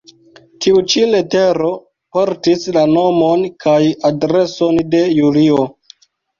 Tiu ĉi letero portis la nomon kaj adreson de Julio.